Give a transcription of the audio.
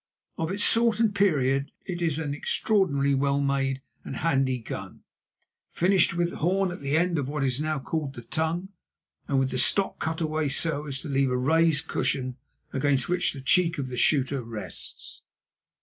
Of its sort and period, it is an extraordinarily well made and handy gun, finished with horn at the end of what is now called the tongue, and with the stock cut away so as to leave a raised cushion against which the cheek of the shooter rests.